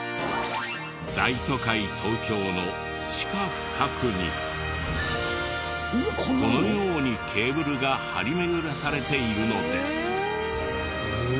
大都会・東京の地下深くにこのようにケーブルが張り巡らされているのです。